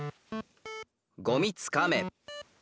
「ゴミつかめ」。